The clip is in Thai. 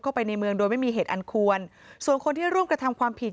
ไปในเมืองโดยไม่มีเหตุอันควรส่วนคนที่ร่วมกระทำความผิด